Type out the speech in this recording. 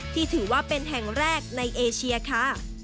ที่ถือว่าเป็นแห่งแรกในเอเชียค่ะ